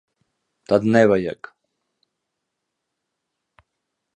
Tad nevajag.